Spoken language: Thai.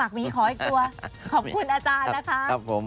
ฝากมีขออีกตัวขอบคุณอาจารย์นะคะต้อม